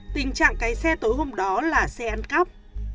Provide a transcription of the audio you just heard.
tình trạng cái xe tối hôm đó là xe ăn cắp